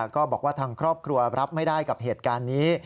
ก็บอกว่าทางครอบครัวรับไม่ได้กับเหตุการณ์นี้